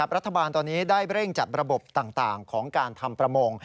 รัฐบาลตอนนี้ได้เร่งจัดระบบต่างของการทำประมง